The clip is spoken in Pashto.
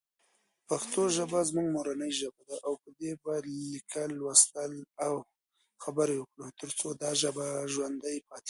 پښتو ژبه زموږ مورنۍ ژبه ده او په دې باید لیکل، لوستل او خبرې وکړو، تر څو دا ژبه ژوندۍ پاتې شي.